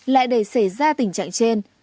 lại để xảy ra tình trạng trên